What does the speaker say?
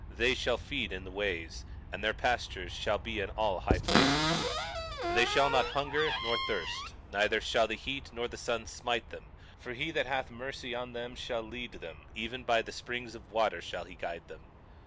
They shall feed in the ways, and their pastures shall be in all high places. 21:10 They shall not hunger nor thirst, neither shall the heat nor the sun smite them; for he that hath mercy on them shall lead them, even by the springs of water shall he guide them.